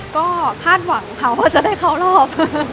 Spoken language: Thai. ก็คาดหวังค่ะว่าจะได้เข้ารอบ